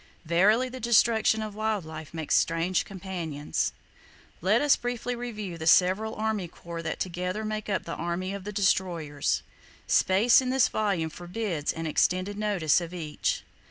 Verily, the destruction of wild life makes strange companions. Let us briefly review the several army corps that together make up the army of the destroyers. Space in this volume forbids an extended notice of each.